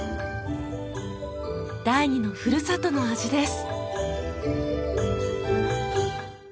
第二のふるさとの味です！